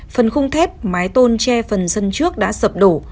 phần khung thép mái tôn che phần dân trước đã sập đổ